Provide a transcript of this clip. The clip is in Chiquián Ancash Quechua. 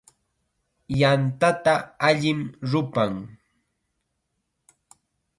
Yantata allim rupan.